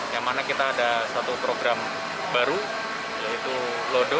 yang mana kita ada satu program baru yaitu lodo